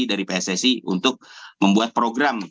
dari pssi untuk membuat program